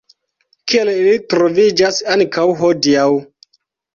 Kiel ili troviĝas ankaŭ hodiaŭ.